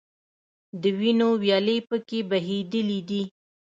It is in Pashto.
د وینو ویالې په کې بهیدلي دي.